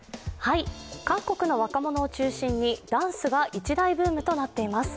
韓国の若者を中心にダンスが一大ブームとなっています。